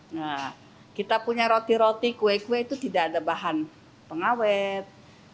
nah kita punya roti roti kue kue itu tidak ada bahan pengawet